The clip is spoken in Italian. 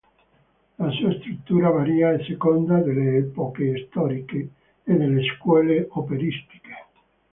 La sua struttura varia a seconda delle epoche storiche e delle scuole operistiche.